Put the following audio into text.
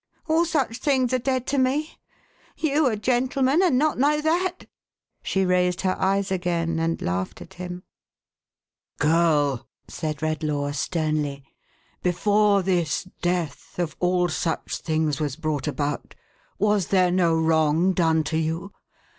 All such things are dead to me. You a gentleman, and not know that!" She raised her eyes again, and laughed at him. "Girl!" said Redlaw, sternly, "before this death, of all such things, was brought about, was there no wrong done to you